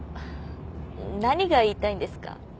何が言いたいんですか？